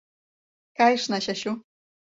Кайышна, Чачу...